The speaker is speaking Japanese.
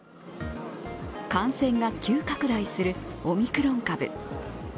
感染が急拡大するオミクロン株。